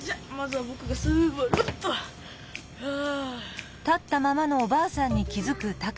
はあ。